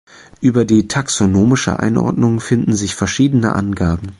Über die taxonomische Einordnung finden sich verschiedene Angaben.